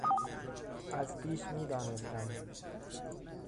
از پیش میدانستم.